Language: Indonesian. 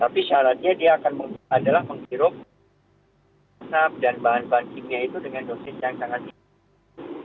tapi syaratnya dia akan adalah menghirup asap dan bahan bahan kimia itu dengan dosis yang sangat tinggi